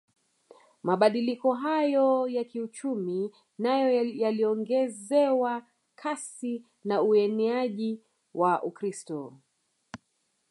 Mabadiliko hayo ya kiuchumi nayo yaliongezewa kasi na ueneaji wa Ukristo